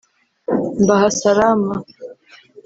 mbaha " salama "!